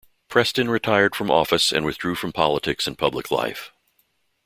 Preston retired from office and withdrew from politics and public life.